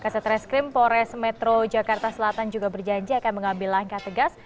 satreskrim polres metro jakarta selatan juga berjanji akan mengambil langkah tegas